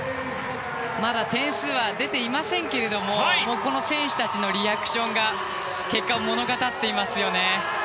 まだ点数は出ていませんけれどもこの選手たちのリアクションが結果を物語っていますよね。